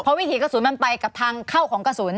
วิถีกระสุนมันไปกับทางเข้าของกระสุน